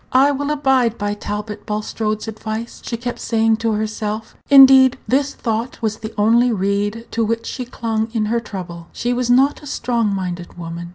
"I will abide by Talbot Bulstrode's advice," she kept saying to herself; indeed, this thought was the only reed to which she clung in her trouble. She was not a strong minded woman.